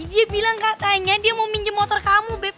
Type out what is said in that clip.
dia bilang katanya dia mau minjem motor kamu